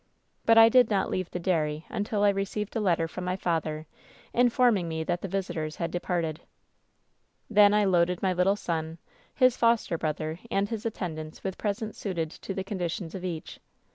"But I did not leave the dairy until I received a letter from my father, informing me that the visitors had departed. "Then 1 loaded my little son, his foster brother and his attendants with presents suited to the conditions of each.